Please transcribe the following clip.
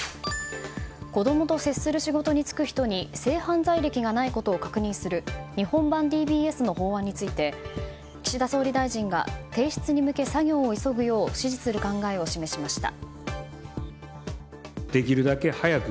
子供と接する仕事に就く人に性犯罪歴がないことを確認する日本版ＤＢＳの法案について岸田総理大臣が提出に向け作業を急ぐよう指示する考えを示しました。